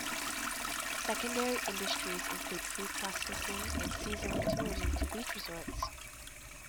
Secondary industries include food processing, and seasonal tourism to beach resorts.